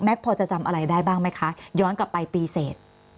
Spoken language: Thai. พอจะจำอะไรได้บ้างไหมคะย้อนกลับไปปีเสร็จ